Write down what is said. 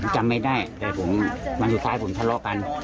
จำไม่ได้แต่ผมวันสุดท้ายผมทะเลาะกัน